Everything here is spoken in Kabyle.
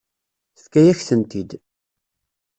Tefka-yak-tent-id.